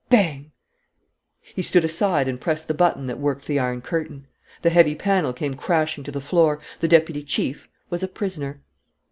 Bang!" He stood aside and pressed the button that worked the iron curtain. The heavy panel came crashing to the floor. The deputy chief was a prisoner.